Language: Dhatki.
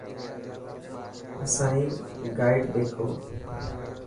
اسانئي گائڊ ڏيکو.